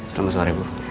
selamat sore bu